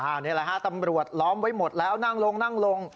อันนี้แหละฮะตำรวจล้อมไว้หมดแล้วนั่งลงนั่งลง